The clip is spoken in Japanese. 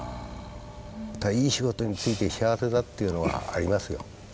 いい仕事に就いて幸せだっていうのはありますよ。